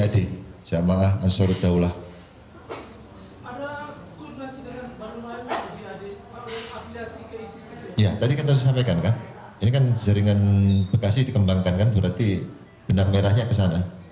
di bekasi dikembangkan kan berarti benang merahnya ke sana